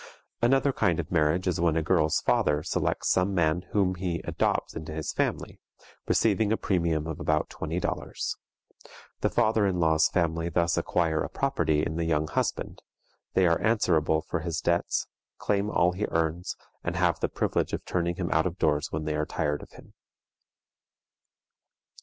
Another kind of marriage is when a girl's father selects some man whom he adopts into his family, receiving a premium of about twenty dollars. The father in law's family thus acquire a property in the young husband; they are answerable for his debts, claim all he earns, and have the privilege of turning him out of doors when they are tired of him.